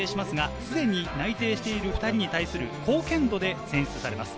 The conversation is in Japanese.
既に内定している２人に対する貢献度で選出されます。